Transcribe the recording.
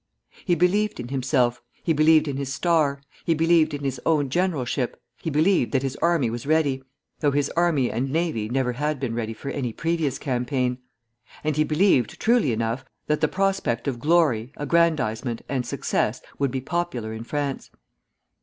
He believed in himself, he believed in his star, he believed in his own generalship, he believed that his army was ready (though his army and navy never had been ready for any previous campaign), and he believed, truly enough, that the prospect of glory, aggrandizement, and success would be popular in France.